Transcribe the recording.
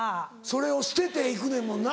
それを捨てて行くねんもんな。